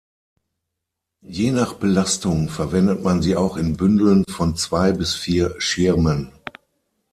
Je nach Belastung verwendet man sie auch in Bündeln von zwei bis vier Schirmen.